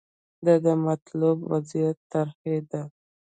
دا د مطلوب وضعیت طراحي ده.